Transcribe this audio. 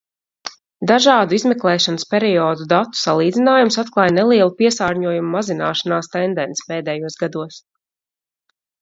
Dažādu izmeklēšanas periodu datu salīdzinājums atklāj nelielu piesārņojuma mazināšanās tendenci pēdējos gados.